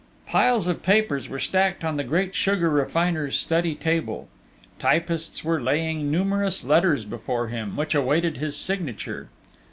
Piles of papers were stacked on the great sugar refiner's study table: typists were laying numerous letters before him, which awaited his signature.